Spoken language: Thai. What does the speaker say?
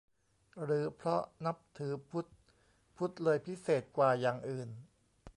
หรือเพราะนับถือพุทธ พุทธเลยพิเศษกว่าอย่างอื่น ?